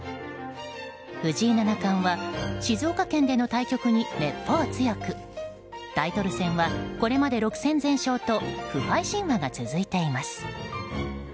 藤井七冠は静岡県での対局にめっぽう強くタイトル戦はこれまで６戦全勝と不敗神話が続いています。